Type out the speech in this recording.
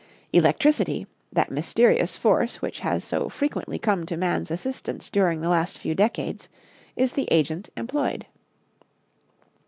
Electricity, that mysterious force which has so frequently come to man's assistance during the last few decades, is the agent employed.